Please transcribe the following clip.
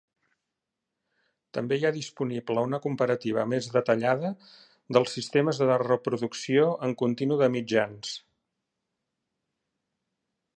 També hi ha disponible una comparativa més detallada dels sistemes de reproducció en continu de mitjans.